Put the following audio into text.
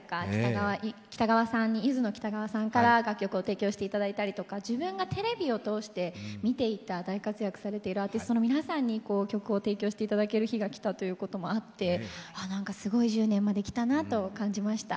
ゆずの北川さんから楽曲を提供していただいたりとか自分がテレビを通して見ていた、大活躍するアーティストの皆さんに曲を提供していただける日が来たというのもあって、すごい、１０年まできたなと感じました。